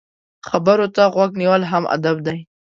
خبرو ته غوږ نیول هم ادب دی.